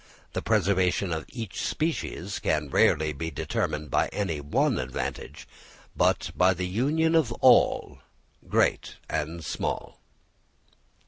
The preservation of each species can rarely be determined by any one advantage, but by the union of all, great and small.